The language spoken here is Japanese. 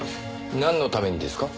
なんのためにですか？